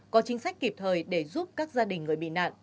có chính sách kịp thời để giúp các gia đình người bị nạn